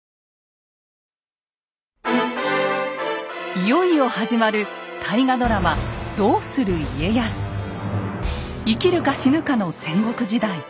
いよいよ始まる生きるか死ぬかの戦国時代。